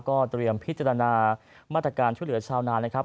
ก็เตรียมพิจารณามาตรการช่วยเหลือชาวนานนะครับ